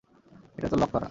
এটা তো লক করা।